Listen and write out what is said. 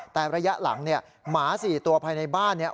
แต่ระยะหลังเนี่ยหมา๔ตัวภายในบ้านเนี่ย